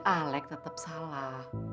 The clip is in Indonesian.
alex tetap salah